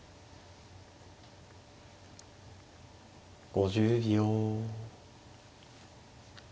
５０秒。